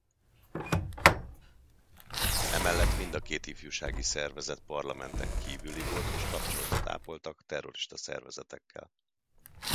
Emellett mind a két ifjúsági szervezet parlamenten kívüli volt és kapcsolatot ápoltak terrorista szervezetekkel.